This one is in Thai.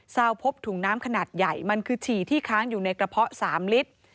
ซาวพบถุงน้ำขนาดใหญ่มันคือฉี่ที่ค้างอยู่ในกระเพาะ๓ลิตร